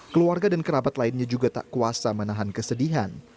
keluarga dan kerabat lainnya juga tak kuasa menahan kesedihan